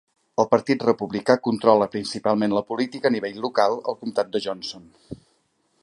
El Partit Republicà controla principalment la política a nivell local al comtat de Johnson.